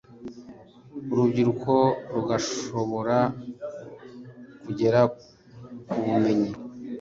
urubyiruko rugashobora kugera ku bumenyi